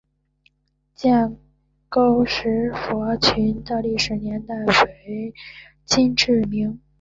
建沟石佛群的历史年代为金至明。